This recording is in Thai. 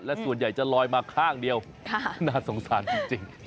และส่วนใหญ่จะลอยมาข้างเดียวน่าสงสารจริง